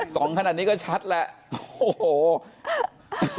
สองขนาดนี้ก็ชัดแหละโอ้โห